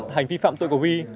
hành vi phạm tội của we